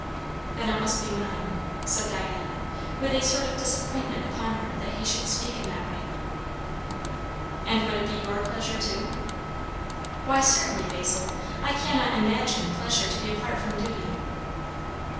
"Then it must be mine," said Diana, with a sort of disappointment upon her that he should speak in that way. "And would it be your pleasure too?" "Why, certainly. Basil, I cannot imagine pleasure to be apart from duty."